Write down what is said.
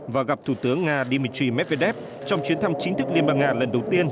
và gặp thủ tướng nga dmitry medvedev trong chuyến thăm chính thức liên bang nga lần đầu tiên